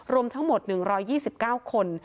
รวมทั้งหมด๑๒๙คน